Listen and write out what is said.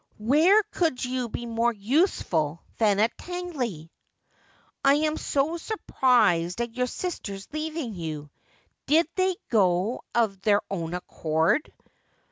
' Where could you be more useful than at Tangley 1 '' I am so surprised at your sisters leaving you. Did they go of their own accord